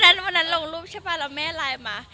วันนั้นลงรูปใช่ป่ะแล้วแม่ไลน์มา